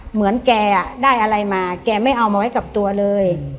เหมือนแกได้อะไรมาแกไม่เอามาไว้กับตัวเลย